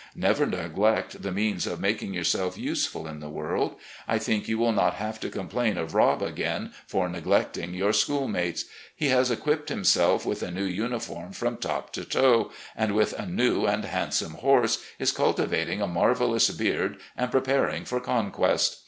Never neglect the means of making yourself useful in the world. I think you will not have to complain of Rob again for neglecting your schoolmates. He has equipped himself with a new uniform from top to toe, and, with a new and handsome horse, is cultivating a marvellous beard and preparing for conquest.